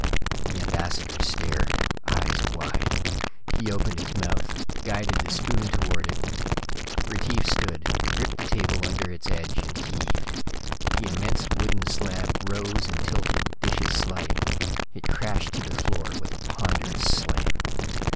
The ambassador stared, eyes wide. He opened his mouth, guided the spoon toward it Retief stood, gripped the table under its edge and heaved. The immense wooden slab rose and tilted, dishes sliding. It crashed to the floor with a ponderous slam.